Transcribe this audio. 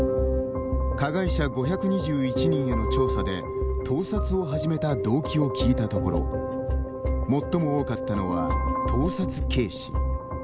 加害者５２１人への調査で盗撮を始めた動機を聞いたところ最も多かったのは「盗撮軽視」。